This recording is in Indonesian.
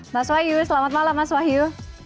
mas wahyu selamat malam mas wahyu